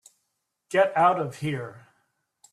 Get out of here.